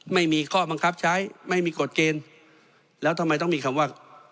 ไม่มีข้อบังคับใช้ไม่มีกฎเกณฑ์แล้วทำไมต้องมีคำว่า